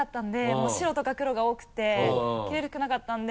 もう白とか黒が多くて着れる服なかったんで。